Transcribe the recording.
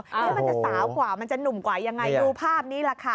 มันจะสาวกว่ามันจะหนุ่มกว่ายังไงดูภาพนี้แหละค่ะ